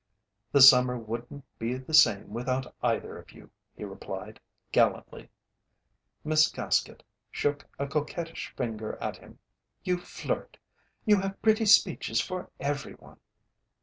"The summer wouldn't be the same without either of you," he replied, gallantly. Miss Gaskett shook a coquettish finger at him. "You flirt! You have pretty speeches for everyone."